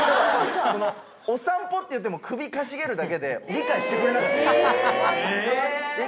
「お散歩」って言っても首かしげるだけで理解してくれなかったんですえっ